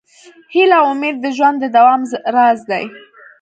هیله او امید د ژوند د دوام راز دی.